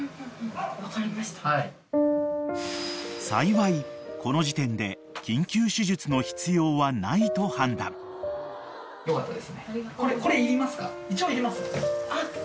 ［幸いこの時点で緊急手術の必要はないと判断］よかったですね。